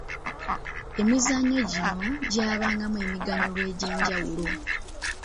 Emizannyo gino gyabangamu emiganyulo egy’enjawulo.